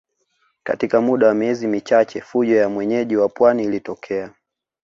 Katika muda wa miezi michache fujo ya wenyeji wa pwani ilitokea